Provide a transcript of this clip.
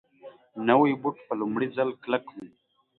نوی بوټ په لومړي ځل کلک وي